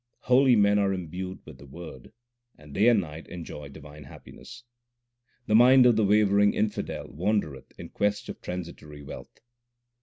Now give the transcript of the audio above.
Holy men are imbued with the Word, and day and night enjoy divine happiness. The mind of the wavering infidel wandereth in quest of transitory wealth.